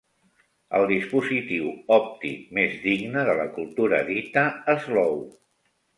El dispositiu òptic més digne de la cultura dita Slow.